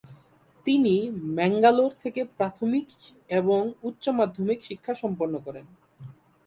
তিনি ম্যাঙ্গালোর থেকে প্রাথমিক এবং উচ্চমাধ্যমিক শিক্ষা সম্পন্ন করেন।